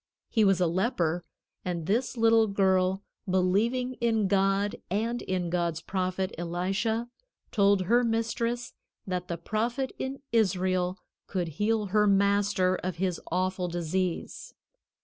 He was a leper, and this little girl, believing in God and in God's prophet, Elisha, told her mistress that the prophet in Israel could heal her master of his awful disease.